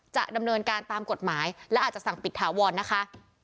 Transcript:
จะดำเนินการตามกฎหมายและอาจจะสั่งปิดถาวรนะคะ